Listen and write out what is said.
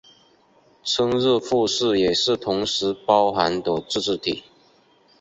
春日部市也是同时包含的自治体。